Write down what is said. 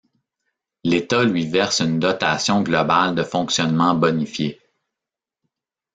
L'Etat lui verse une dotation globale de fonctionnement bonifiée.